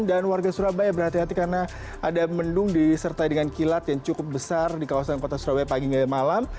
dan warga surabaya berhati hati karena ada mendung disertai dengan kilat yang cukup besar di kawasan kota surabaya pagi hingga malam